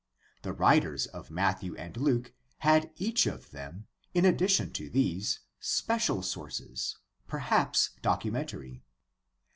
The writers of Matthew and Luke had each of them, in addition to these, special sources, per haps documentary.